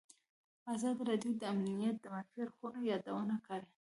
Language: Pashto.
ازادي راډیو د امنیت د منفي اړخونو یادونه کړې.